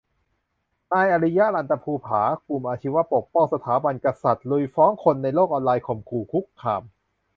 นายอริยะ รัตนภูผา กลุ่มอาชีวะปกป้องสถาบันกษัตริย์ ลุยฟ้องคนในโลกออนไลน์ข่มขู่คุกคาม